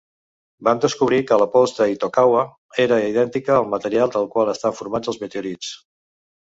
Van descobrir que la pols de l'Itokawa era "idèntica al material del qual estan formats els meteorits".